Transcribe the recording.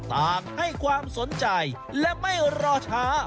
ต่างให้ความสนใจและไม่รอช้า